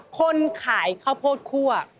คนขายข้าวโพสต์คู่